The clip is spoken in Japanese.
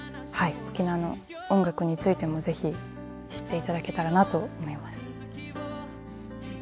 はい沖縄の音楽についても是非知っていただけたらなと思います。